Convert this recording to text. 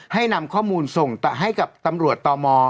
ให้นำข้อมูลส่งให้กับตำรวจตม